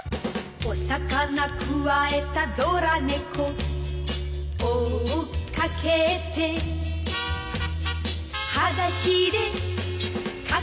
「お魚くわえたドラ猫」「追っかけて」「はだしでかけてく」